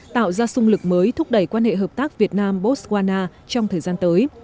tạo ra sung lực mới thúc đẩy quan hệ hợp tác việt nam botswana trong thời gian tới